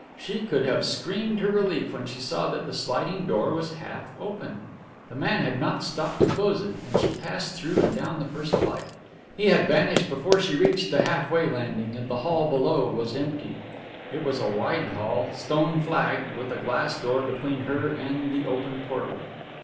She could have screamed her relief when she saw that the sliding door was half open the man had not stopped to close it and she passed through and down the first flight. He had vanished before she reached the half way landing and the hall below was empty. It was a wide hall, stone flagged, with a glass door between her and the open portal.